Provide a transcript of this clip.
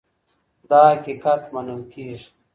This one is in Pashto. دا حقيقت منل کيږي.